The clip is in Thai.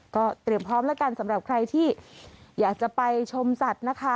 ก็เตรียมพร้อมแล้วกันสำหรับใครที่อยากจะไปชมสัตว์นะคะ